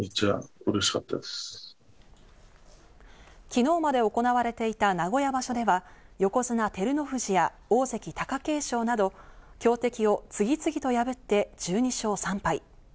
昨日まで行われていた名古屋場所では横綱・照ノ富士や、大関・貴景勝など強敵を次々と破って１２勝３敗。